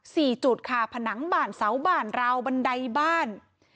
สี่จุดค่ะผนังบ่านเสาบ่านราวบันไดบ้าน